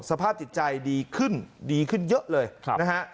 สภาพจิตใจดีขึ้นดีขึ้นเยอะเลยนะฮะ